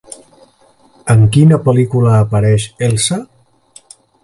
En quina pel·lícula apareix Elsa?